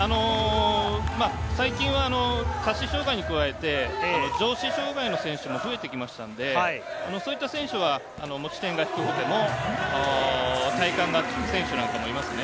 最近は下肢障がいに加えて、上肢障がいの選手も増えてきましたので、そういった選手は持ち点が低くても体幹がきく選手もいますね。